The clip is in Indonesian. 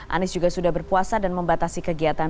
anies juga sudah berpuasa dan membatasi kegiatan